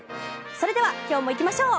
それでは今日も行きましょう。